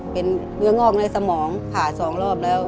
เป็นเนื้องอกในสมองผ่า๒รอบแล้ว